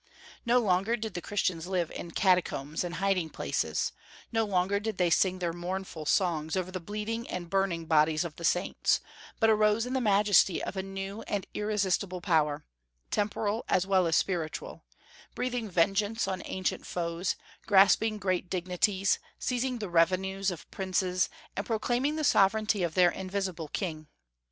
No longer did the Christians live in catacombs and hiding places; no longer did they sing their mournful songs over the bleeding and burning bodies of the saints, but arose in the majesty of a new and irresistible power, temporal as well as spiritual, breathing vengeance on ancient foes, grasping great dignities, seizing the revenues of princes, and proclaiming the sovereignty of their invisible King.